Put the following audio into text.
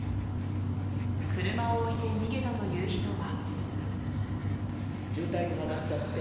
車を置いて逃げたという人は。